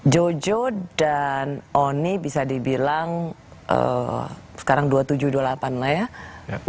jojo dan oni bisa dibilang sekarang dua puluh tujuh dua puluh delapan lah ya umur yang masih sangat mumpuni sebagai seorang juara yang paling buruk sekali dari dia